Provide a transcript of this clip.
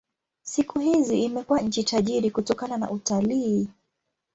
Siku hizi imekuwa nchi tajiri kutokana na utalii.